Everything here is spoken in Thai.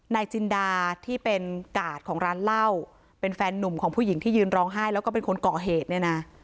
จินดาที่เป็นกาดของร้านเหล้าเป็นแฟนนุ่มของผู้หญิงที่ยืนร้องไห้แล้วก็เป็นคนก่อเหตุเนี่ยนะ